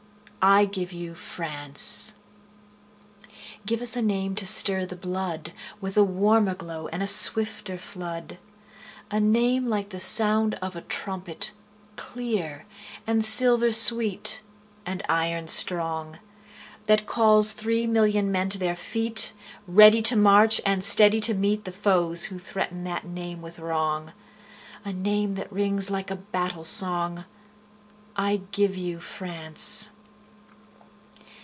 I give you France! Give us a name to stir the bloodWith a warmer glow and a swifter flood,—A name like the sound of a trumpet, clear, And silver sweet, and iron strong, That calls three million men to their feet, Ready to march, and steady to meetThe foes who threaten that name with wrong,—A name that rings like a battle song.I give you France!